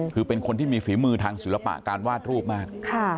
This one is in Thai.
คือเป็นคนที่มีฝีมือทางศิลปะการวาดรูปมาก